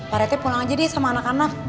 parete pulang aja deh sama anak anak